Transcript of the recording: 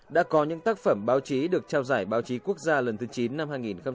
đã có những tác phẩm báo chí được trao giải báo chí quốc gia lần thứ chín năm hai nghìn một mươi tám